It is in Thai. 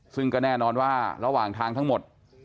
ซึ่งก็แน่นอนว่าระหว่างทางทั้งหมด